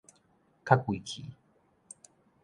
較規氣